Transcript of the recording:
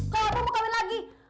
kalau gue mau kawin lagi